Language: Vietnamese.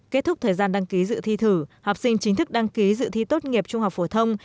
kết thúc thời gian đăng ký dự thi thử học sinh chính thức đăng ký dự thi tốt nghiệp trung học phổ thông